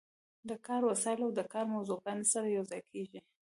د کار وسایل او د کار موضوعګانې سره یوځای کیږي.